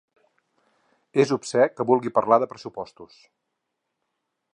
És obscè que vulgui parlar de pressupostos.